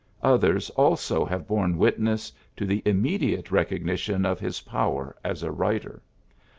Others also have borne witness to the immediate rec ognition of his power as a writer.